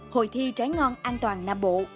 hội thi trái ngon an toàn nam bộ